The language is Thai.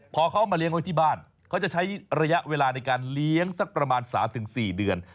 พอเขาเอามาเลี้ยงไว้ที่บ้านเขาจะใช้ระยะเวลาในการเลี้ยงสักประมาณ๓๔เดือน